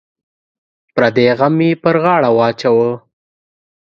پردی غم یې پر غاړه واچوه.